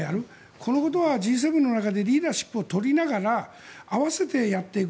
このことはＧ７の中でリーダーシップを取りながら併せてやっていく。